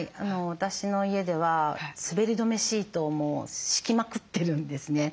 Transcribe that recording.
私の家では滑り止めシートを敷きまくってるんですね。